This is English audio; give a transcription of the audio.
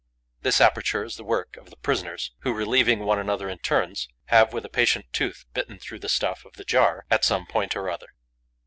This aperture is the work of the prisoners, who, relieving one another in turns, have, with a patient tooth, bitten through the stuff of the jar at some point or other.